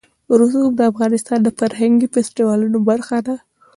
رسوب د افغانستان د فرهنګي فستیوالونو برخه ده.